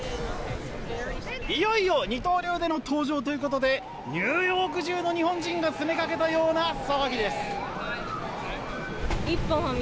いよいよ二刀流での登場ということでニューヨーク中の日本人が詰めかけたような騒ぎです。